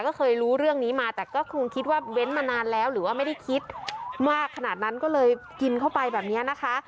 ก็เคยรู้เรื่องนี้มาแต่ก็คงคิดว่าเว้นมานานแล้วหรือว่าไม่ได้คิดมากขนาดนั้นก็เลยกินเข้าไปแบบนี้นะคะ